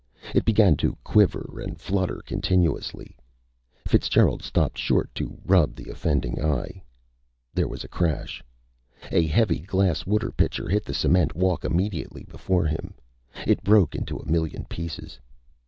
It began to quiver and flutter continuously. Fitzgerald stopped short to rub the offending eye. There was a crash. A heavy glass water pitcher hit the cement walk immediately before him. It broke into a million pieces.